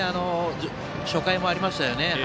初回もありましたよね。